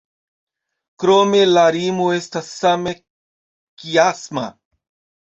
Krome la rimo estas same kiasma.